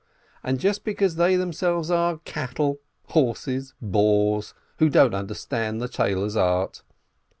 And just because they themselves are cattle, horses, boors, who don't understand the tailor's art!